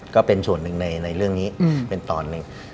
ก็เป็นส่วนหนึ่งในเรื่องนี้เป็นตอนหนึ่ง